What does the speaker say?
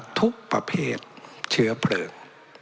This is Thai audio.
ทุกประเภทเชื้อเพลิง